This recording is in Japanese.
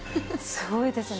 すごいですね。